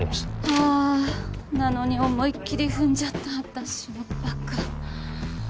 はぁなのに思いっ切り踏んじゃった私のばか。